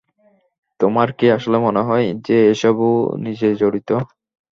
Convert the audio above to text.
তোমার কি আসলেই মনে হয় যে এসবে ও নিজেও জড়িত?